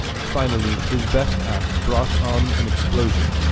Finally his best act brought on an explosion.